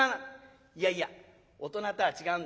「いやいや大人とは違うんだ。